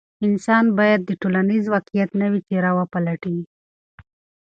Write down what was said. انسان باید د ټولنیز واقعیت نوې څېره وپلټي.